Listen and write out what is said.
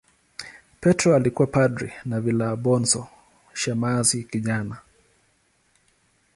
Petro alikuwa padri na Valabonso shemasi kijana.